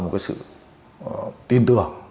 một cái sự tin tưởng